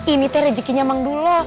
ini teh rezekinya bang dulo